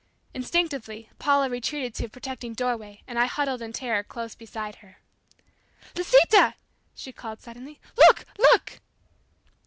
Instinctively Paula retreated to a protecting doorway and I huddled in terror close beside her. "Lisita!" she called suddenly. "Look! look!"